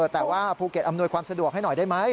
แต่ว่าภูเก็ตอำนวยความสะดวกให้หน่อยได้ไหม